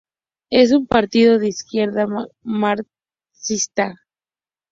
Es un partido de izquierda marxista.